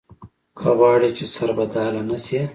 که غواړې چې سربډاله نه شې.